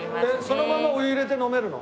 そのままお湯入れて飲めるの？